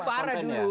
tapi itu parah dulu